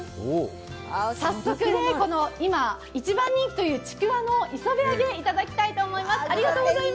早速、今、一番人気というちくわの磯辺揚げをいただきたいと思います。